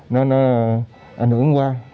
nó ảnh hưởng qua